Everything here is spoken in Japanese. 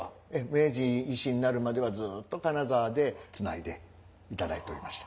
明治維新になるまではずっと金沢でつないでいただいておりました。